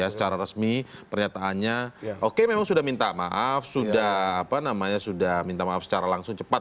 secara resmi pernyataannya oke memang sudah minta maaf sudah minta maaf secara langsung cepat